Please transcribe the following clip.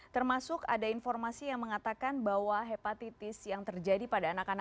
termasuk ada informasi yang mengatakan bahwa hepatitis yang terjadi pada anak anak